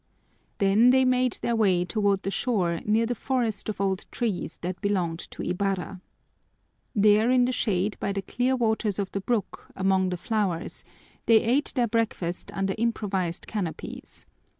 Then they made their way toward the shore near the forest of old trees that belonged to Ibarra. There in the shade by the clear waters of the brook, among the flowers, they ate their breakfast under improvised canopies.